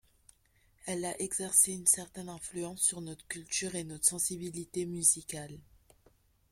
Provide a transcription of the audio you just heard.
Elle a exercé une certaine influence sur notre culture et notre sensibilité musicales.